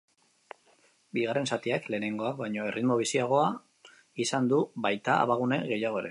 Bigarren zatiak lehenengoak baino erritmo biziagoa izan du, baita abagune gehiago ere.